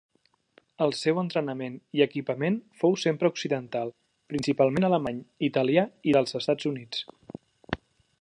El seu entrenament i equipament fou sempre occidental, principalment alemany, italià i dels Estats Units.